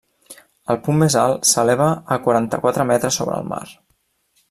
El punt més alt s'eleva a quaranta-quatre metres sobre el mar.